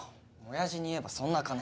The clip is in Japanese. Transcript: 親父に言えばそんな金。